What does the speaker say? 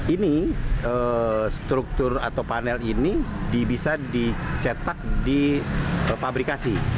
ini struktur atau panel ini bisa dicetak di pabrikasi